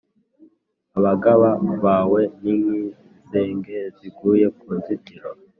abagaba bawe ni nk’inzige ziguye ku nzitiro